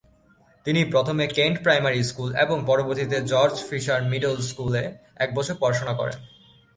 তিনি প্রথমে "Kent primary school" এবং পরবর্তীতে জর্জ ফিশার মিডল স্কুল এ এক বছর পড়াশোনা করেন।